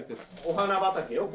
お花畑よ